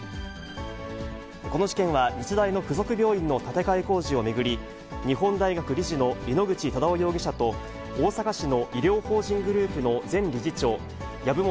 この事件は、日大の付属病院の建て替え工事を巡り、日本大学理事の井ノ口忠男容疑者と、大阪市の医療法人グループの前理事長、籔本